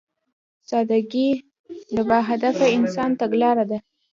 سادهګي د باهدفه انسان تګلاره ده.